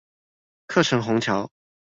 客城虹橋